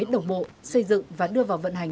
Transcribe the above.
đồng bộ xây dựng và đưa vào vận hành